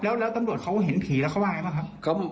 แล้วตำรวจเขาเห็นผีแล้วเขาว่าไงบ้างครับ